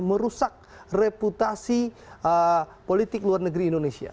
merusak reputasi politik luar negeri indonesia